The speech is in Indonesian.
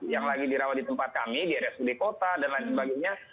yang lagi dirawat di tempat kami di rsud kota dan lain sebagainya